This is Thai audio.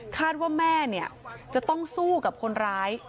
ว่าแม่จะต้องสู้กับคนร้าย